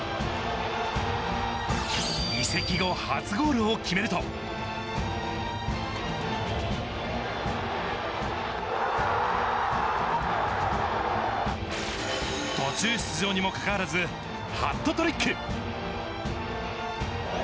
移籍後、初ゴールを決めると、途中出場にもかかわらず、ハットトリック。